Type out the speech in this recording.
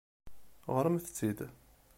Ɣṛemt-t-id.